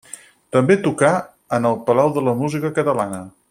També tocà en el Palau de la Música Catalana.